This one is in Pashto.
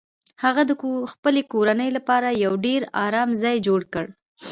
هغه د خپلې کورنۍ لپاره یو ډیر ارام ځای جوړ کړ